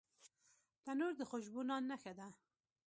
تنور د خوشبو نان نښه ده